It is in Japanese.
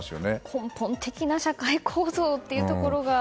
根本的な社会構造というところが１つ。